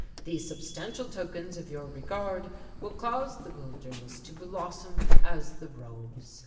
These substantial tokens of your regard will cause the wilderness to blossom as the rose.